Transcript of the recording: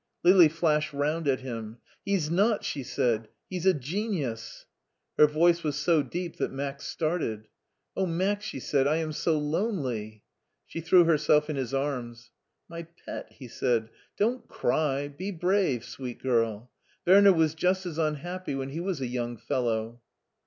Lili flashed round at him. " He's not !" she said ;" he's a genius !" Her voice was so deep that Max started. "Oh, Max!" she said, "I am so lonely." She threw herself in his arms. " My pet," he said, " don't cry ; be brave, sweet girl. Werner was just as tmhappy when he was a young fellow."